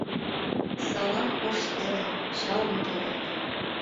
Салам, ош теле — чал моторлык.